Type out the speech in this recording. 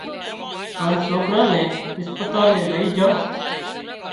هانَ سوڪرا نين اسپتالئي لائينَ جھان